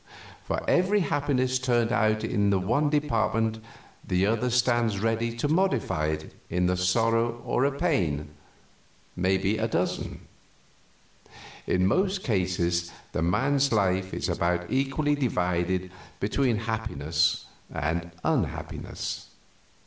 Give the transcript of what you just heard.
For every happiness turned out in the one department the other stands ready to modify it with a sorrow or a pain maybe a dozen. In most cases the man's life is about equally divided between happiness and unhappiness.